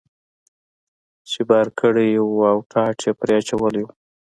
چې بار کړی یې و او ټاټ یې پرې اچولی و.